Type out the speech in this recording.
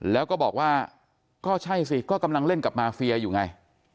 แล้วก็บอกว่าก็ใช่สิก็กำลังเล่นกับมาเฟียอยู่ไง